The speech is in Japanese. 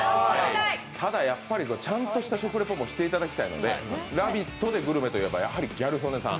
ただやっぱりちゃんとした食レポもしていただきたいので「ラヴィット！」でグルメといえばギャル曽根さん。